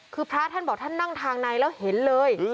คือพระท่านบอกท่านนั่งทางในแล้วเห็นเลย